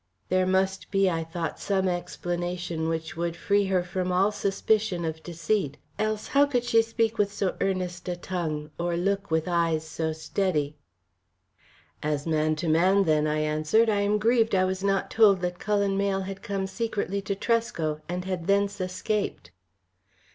There must be, I thought, some explanation which would free her from all suspicion of deceit. Else, how could she speak with so earnest a tongue or look with eyes so steady? "As man to man, then," I answered, "I am grieved I was not told that Cullen Mayle had come secretly to Tresco and had thence escaped."